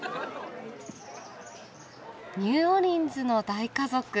ニューオーリンズの大家族。